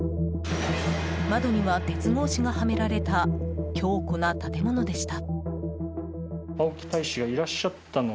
窓には鉄格子がはめられた強固な建物でした。